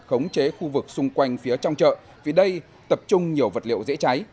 khống chế khu vực xung quanh phía trong chợ vì đây tập trung nhiều vật liệu dễ cháy